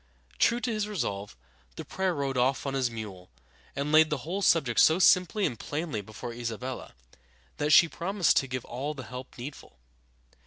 True to his resolve, the prior rode off on his mule, and laid the whole subject so simply and plainly before Isabella that she promised to give all the help needful.